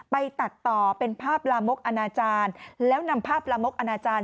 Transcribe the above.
ไปตัดต่อเป็นภาพลามกอนาจารย์